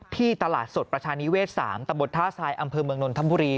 ที่ตลาดสดประชานิเวศ๓ตะบดท่าทรายอำเภอเมืองนนทบุรี